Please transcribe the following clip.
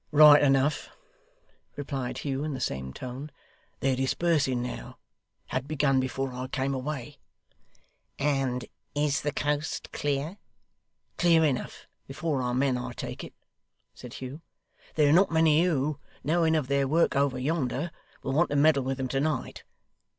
'Right enough,' replied Hugh, in the same tone. 'They're dispersing now had begun before I came away.' 'And is the coast clear?' 'Clear enough before our men, I take it,' said Hugh. 'There are not many who, knowing of their work over yonder, will want to meddle with 'em to night.